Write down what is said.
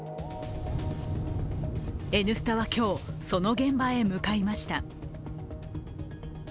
「Ｎスタ」は今日その現場へ向かいました。